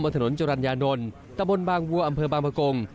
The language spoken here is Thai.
ถนนจรรยานนท์ตะบนบางวัวอำเภอบางประกง